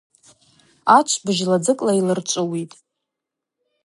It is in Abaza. Ачв быжьладзыкӏла йлырчӏвыуитӏ.